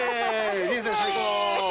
人生最高。